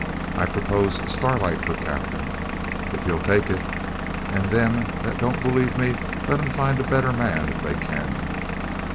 I propose Starlight for captain if he'll take it, and them that don't believe me let 'em find a better man if they can.'